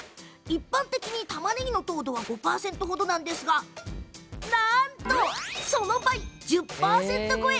一般的に、たまねぎの糖度は５％程なんですがなんとその倍、１０％超え。